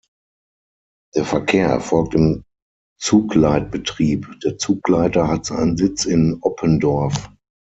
Der Verkehr erfolgt im Zugleitbetrieb, der Zugleiter hat seinen Sitz in Oppendorf.